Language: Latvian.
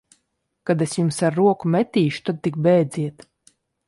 Kad es jums ar roku metīšu, tad tik bēdziet!